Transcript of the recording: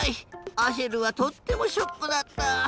アシェルはとってもショックだった。